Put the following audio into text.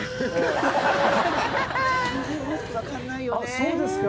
そうですか。